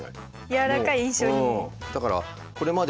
やわらかい印象に。